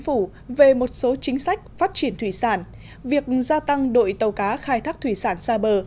chính phủ về một số chính sách phát triển thủy sản việc gia tăng đội tàu cá khai thác thủy sản xa bờ